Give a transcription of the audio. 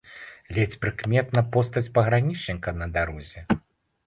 Ледзь прыкметна постаць пагранічніка на дарозе.